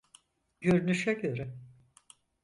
Görünüşe göre.